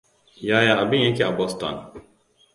Yaya abin yake a Boston?